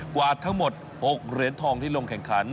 กว่าทั้งหมด๖เหรียญทองที่ลงแข่งขัน